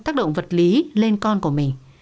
tác động vật lý lên con của mình